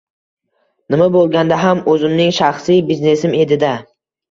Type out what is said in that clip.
Nima bo`lganda ham o`zimning shaxsiy biznesim edi-da